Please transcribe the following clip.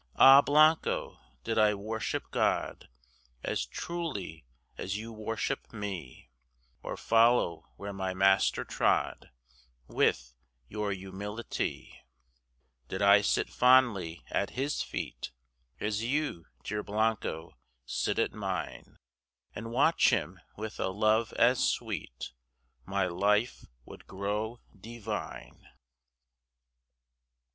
Ah, Blanco! Did I worship God As truly as you worship me, Or follow where my Master trod With your humility, Did I sit fondly at His feet, As you, dear Blanco, sit at mine, And watch Him with a love as sweet, My life would grow divine.